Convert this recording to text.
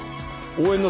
応援の。